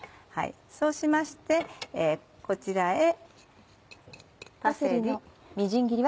そうしましてこちらへパセリ。